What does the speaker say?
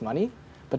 uang yang paling besar